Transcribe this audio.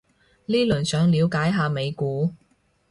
呢輪想了解下美股